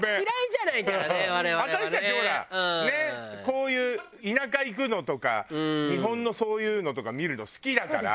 こういう田舎行くのとか日本のそういうのとか見るの好きだから。